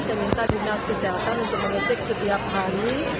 saya minta dinas kesehatan untuk mengecek setiap hari